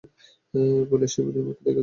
বলিয়া সে বিনয়ের মুখের দিকে চাহিল।